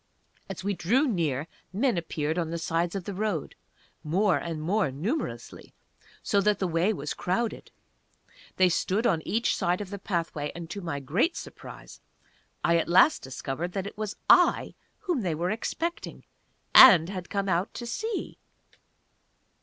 As we drew near men appeared on the sides of the road, more and more numerously, so that the way was crowded. They stood on each side of the pathway, and to my great surprise, I at last discovered that it was I whom they were expecting, and had come out to see!